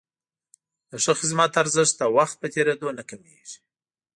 د ښه خدمت ارزښت د وخت په تېرېدو نه کمېږي.